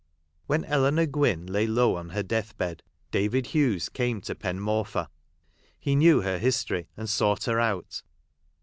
When Eleanor Gwynn lay low on her death bed, David Hughes came to Pen Morfa. He knew her history, and sought her out.